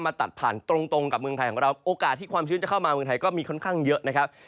ตัดผ่านตรงกับเมืองไทยของเราโอกาสที่ความชื้นจะเข้ามาเมืองไทยก็มีค่อนข้างเยอะนะครับ